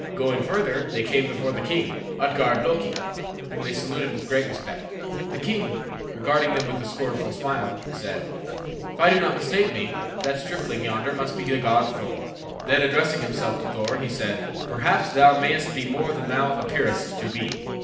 Going further, they came before the king, Utgard Loki, whom they saluted with great respect. The king, regarding them with a scornful smile, said, "If I do not mistake me, that stripling yonder must be the god Thor." Then addressing himself to Thor, he said, "Perhaps thou mayst be more than thou appearest to be.